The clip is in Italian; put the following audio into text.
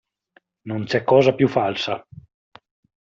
Non c'è cosa più falsa.